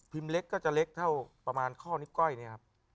เล็กก็จะเล็กเท่าประมาณข้อนิบก้อยเนี่ยครับ